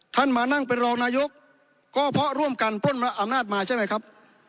มานั่งเป็นรองนายกก็เพราะร่วมกันปล้นอำนาจมาใช่ไหมครับ